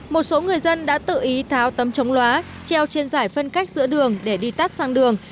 một số người dân đã tự ý tháo tấm chống loá treo trên giải phân cách giữa đường để đi tắt sang đường